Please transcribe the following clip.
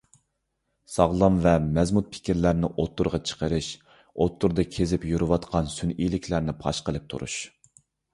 ساغلام ۋە مەزمۇت پىكىرلەرنى ئوتتۇرىغا چىقىرىش، ئوتتۇرىدا كېزىپ يۈرىۋاتقان سۈنئىيلىكلەرنى پاش قىلىپ تۇرۇش.